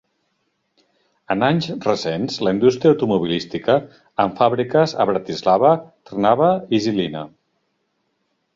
En anys recents la indústria automobilística, amb fàbriques a Bratislava, Trnava i Žilina.